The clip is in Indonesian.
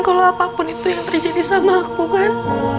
kalau apapun itu yang terjadi sama aku kan